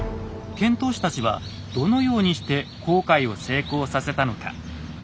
遣唐使たちはどのようにして航海を成功させたのか。